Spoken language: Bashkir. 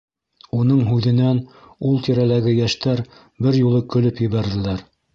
Уның һүҙенән ул тирәләге йәштәр бер юлы көлөп ебәрҙеләр.